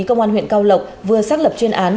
công an huyện cao lộc vừa xác lập chuyên án